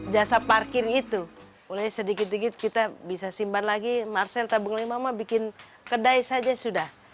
masel berada dilas predator pada hari syurga yang hampir mencegah f rebirth